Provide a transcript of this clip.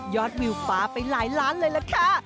วิวฟ้าไปหลายล้านเลยล่ะค่ะ